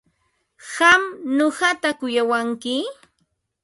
¿Qam nuqata kuyamanki?